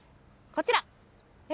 こちら。